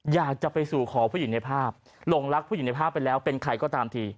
อยากจะไปสู่ขอผู้หญิงในภาพหลงรักผู้หญิงในภาพไปแล้วเป็นใครก็ตามที